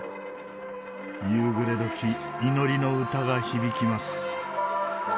夕暮れ時祈りの歌が響きます。